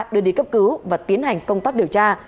đưa đi cấp cứu và tiến hành công tác điều tra